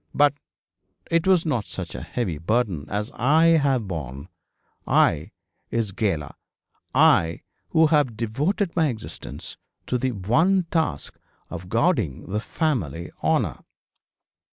But it was not such a heavy burden as I have borne I, his gaoler, I who have devoted my existence to the one task of guarding the family honour.'